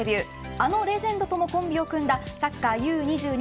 あのレジェンドともコンビを組んだサッカーＵー２２